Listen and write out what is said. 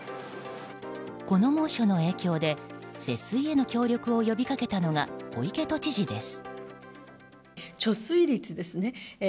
この猛暑の影響で節水への協力を呼びかけたのが小池都知事です。